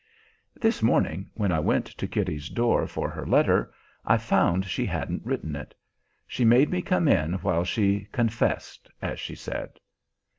This morning, when I went to Kitty's door for her letter, I found she hadn't written it. She made me come in while she "confessed," as she said.